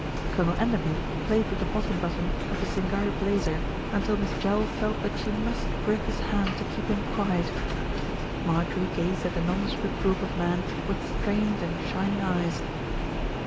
Colonel Enderby played with the bottom button of his Zingari blazer until Miss Jell felt that she must grip his hand to keep him quiet. Marjorie gazed at the nondescript group of men with strained and shining eyes.